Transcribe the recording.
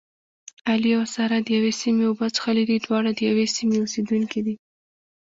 علي او سارې دیوې سیمې اوبه څښلې دي. دواړه د یوې سیمې اوسېدونکي دي.